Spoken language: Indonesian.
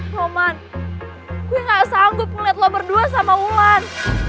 roman gue gak sanggup ngeliat lo berdua sama ulan